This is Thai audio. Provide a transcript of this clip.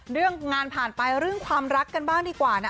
เรื่องงานผ่านไปเรื่องความรักกันบ้างดีกว่านะ